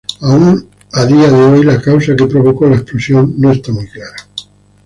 Aún a día de hoy la causa que provocó la explosión no está clara.